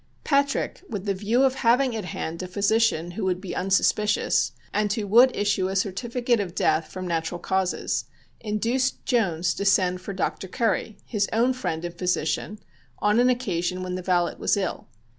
Patrick, with the view of having at hand a physician who would be unsuspicious, and who would issue a certificate of death from natural causes, induced Jones to send for Dr. Curry, his own friend and physician, on an occasion when the valet was ill.